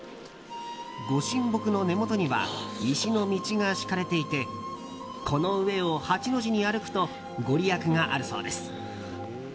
ご神木の根元には石の道が敷かれていてこの上を八の字に歩くと御利益があるそうです。